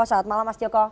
selamat malam mas joko